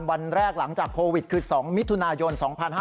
วันแรกหลังจากโควิดคือ๒มิถุนายน๒๕๕๙